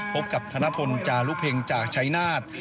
พบกับธนพลจารุเพ็งจากชายนาฏ